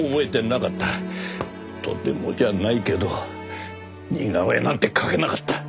とてもじゃないけど似顔絵なんて描けなかった。